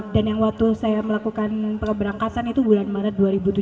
dan yang waktu saya melakukan pengeberangkasan itu bulan maret dua ribu tujuh belas